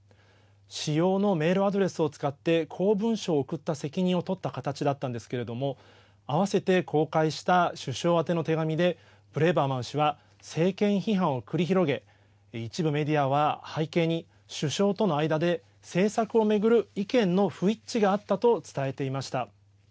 私用のメールアドレスを使って公文書を送った責任を取った形だったんですけれども合わせて公開した首相宛ての手紙でブレーバーマン氏は政権批判を繰り広げ一部メディアは背景に首相との間で政策を巡る意見の不一致があったと伝えていました。